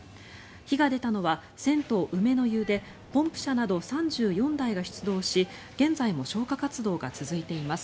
火が出たのは銭湯、梅の湯でポンプ車など３４台が出動し現在も消火活動が続いています。